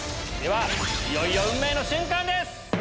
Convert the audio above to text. いよいよ運命の瞬間です！